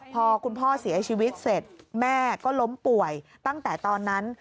พอคุณพ่อเสียชีวิตเสร็จแม่ก็ล้มป่วยตั้งแต่ตอนนั้น